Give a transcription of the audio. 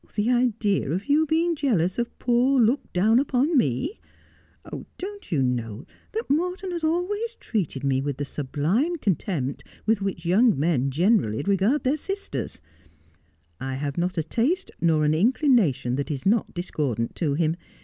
The idea of you being jealous of poor looked down upon me ! Don't you know that Morton has always treated me with the sublime contempt with which young men generally regard their sisters 1 I have not a taste nor an inclina tion that is not discordant to him.